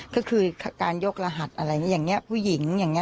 ก็คือการยกรหัสอะไรอย่างนี้ผู้หญิงอย่างนี้